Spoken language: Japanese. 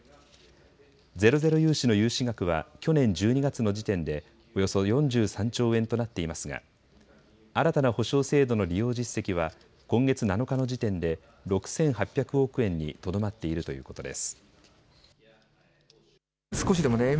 ゼロゼロ融資の融資額は去年１２月の時点でおよそ４３兆円となっていますが新たな保証制度の利用実績は今月７日の時点で６８００億円にとどまっているということです。